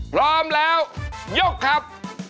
พร้อมแล้วยกครับ